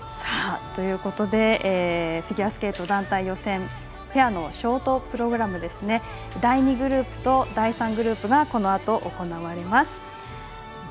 フィギュアスケート団体予選ペアのショートプログラム第２グループと第３グループがこのあと行われます。